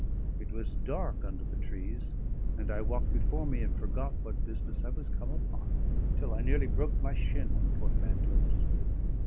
It was dark under the trees, and I walked before me and forgot what business I was come upon, till I nearly broke my shin on the portmanteaus.